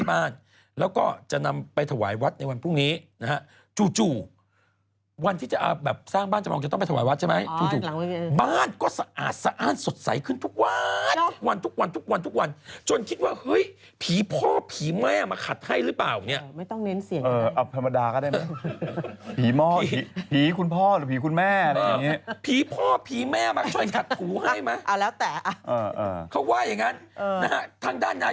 บ้านแล้วก็จะนำไปถวายวัดในวันพรุ่งนี้นะฮะจู่วันที่จะแบบสร้างบ้านจะมองจะต้องไปถวายวัดใช่ไหมจู่บ้านก็สะอาดสะอ้านสดใสขึ้นทุกวัน